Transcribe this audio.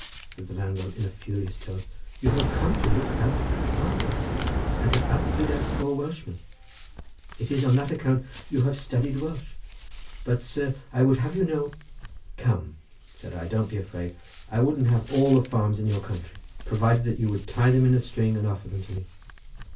said the landlord in a furious tone, "you have come to look out for a farm, I see, and to outbid us poor Welshmen; it is on that account you have studied Welsh; but, sir, I would have you know—" "Come," said I, "don't be afraid; I wouldn't have all the farms in your country, provided you would tie them in a string and offer them to me.